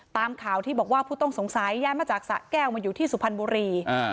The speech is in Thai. ตามข่าวที่บอกว่าผู้ต้องสงสัยย้ายมาจากสะแก้วมาอยู่ที่สุพรรณบุรี